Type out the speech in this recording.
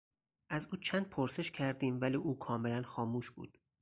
از او چند پرسش کردیم ولی او کاملا خاموش بود.